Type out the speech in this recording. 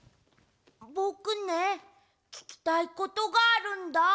ぼくねききたいことがあるんだ。